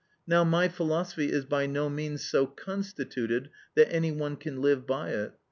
Now my philosophy is by no means so constituted that any one can live by it.